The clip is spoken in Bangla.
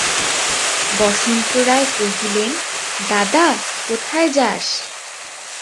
বসন্ত রায় কহিলেন, দাদা, কোথায় যাস?